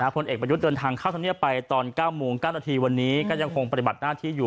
ผลเอกประยุทธ์เดินทางเข้าธรรมเนียบไปตอน๙โมง๙นาทีวันนี้ก็ยังคงปฏิบัติหน้าที่อยู่